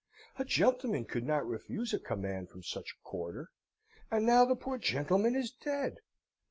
A gentleman could not refuse a command from such a quarter. And now the poor gentleman is dead!